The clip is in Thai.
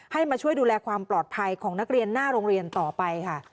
มาช่วยดูแลความปลอดภัยของนักเรียนหน้าโรงเรียนต่อไปค่ะ